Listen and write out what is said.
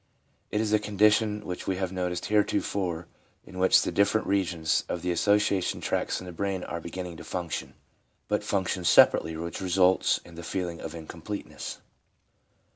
It is the condition which we have noticed heretofore in which the different regions of the association tracts in the brain are begin ning to function, but function separately, which results in the feeling of incompleteness.